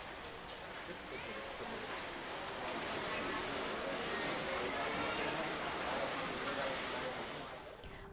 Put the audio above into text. kondisi tanggul kali puluh